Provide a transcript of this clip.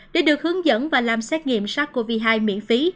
để được hướng dẫn và làm xét nghiệm sars cov hai miễn phí